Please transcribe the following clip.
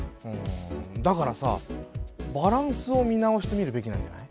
だからさバランスを見直してみるべきなんじゃない？